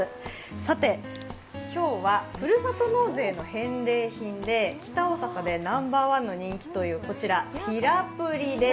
さて、今日はふるさと納税の返礼品で北大阪でナンバーワンのこちら、こちらティラプリです。